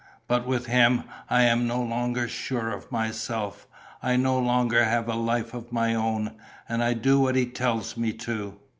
But with him I am no longer sure of myself, I no longer have a life of my own. And I do what he tells me to."